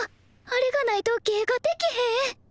あれがないと芸ができへんえ！